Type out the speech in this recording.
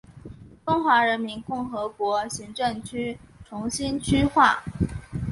中华人民共和国行政区重新区划。